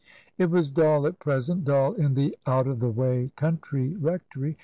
It was dull at present, dull in the out of the way country rectory.